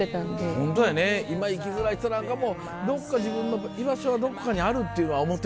ホントやね今生きづらい人なんかも自分の居場所はどこかにあるっていうのは思っててほしいよね。